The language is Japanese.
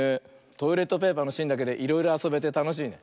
トイレットペーパーのしんだけでいろいろあそべてたのしいね。